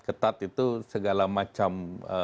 ketat itu segala macam